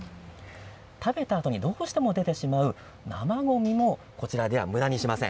食べたあとにどうしても出てしまう生ごみ、こちらではむだにしません。